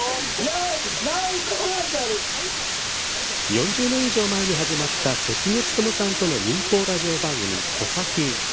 ４０年以上前に始まった関根勤さんとの民放ラジオ番組「コサキン」。